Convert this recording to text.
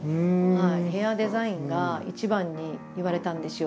ヘアデザインが一番に言われたんですよ。